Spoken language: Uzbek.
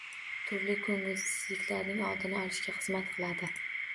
Turli ko‘ngilsizliklarning oldini olishga xizmat qiladi.